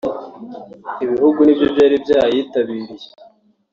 ibihugu nibyo byari byayitabiriye